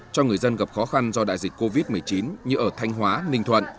cho người dân gặp khó khăn do đại dịch covid một mươi chín như ở thanh hóa ninh thuận